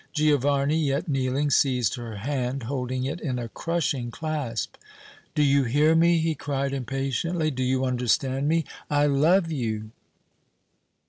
Giovanni, yet kneeling, seized her hand, holding it in a crushing clasp. "Do you hear me?" he cried, impatiently. "Do you understand me? I love you!"